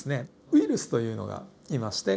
ウイルスというのがいまして。